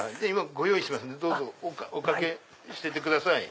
ご用意しますんでどうぞおかけください。